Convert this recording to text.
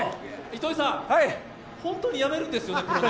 糸井さん、本当に辞めるんですよね？